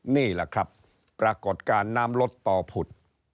นี่แหละครับปรากฏการณ์น้ำลดต่อผุด